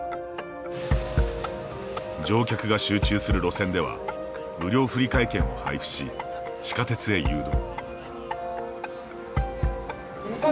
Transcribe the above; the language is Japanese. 乗客が集中する路線では無料振り替え券を配布し地下鉄へ誘導。